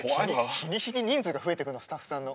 日に日に人数が増えてくのスタッフさんの。